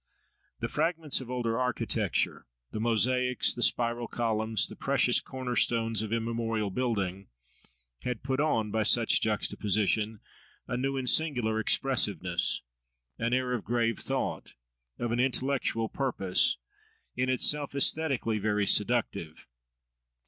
The fragments of older architecture, the mosaics, the spiral columns, the precious corner stones of immemorial building, had put on, by such juxtaposition, a new and singular expressiveness, an air of grave thought, of an intellectual purpose, in itself, æsthetically, very seductive.